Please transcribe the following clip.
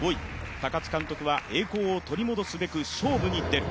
高津監督は栄光を取り戻すべく、勝負に出る。